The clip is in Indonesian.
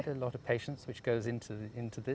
dan anda sangat berhati hati